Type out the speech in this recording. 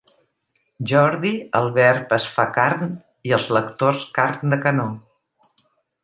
Jordi el verb es fa carn i els lectors carn de canó.